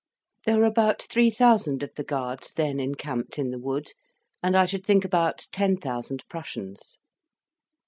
There were about three thousand of the Guards then encamped in the wood, and I should think about ten thousand Prussians.